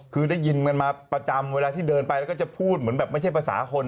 คือได้ยินกันมาประจำเวลาที่เดินไปแล้วก็จะพูดเหมือนแบบไม่ใช่ภาษาคน